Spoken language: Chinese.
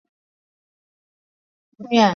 筥崎宫是位在日本福冈县福冈市东区的神社。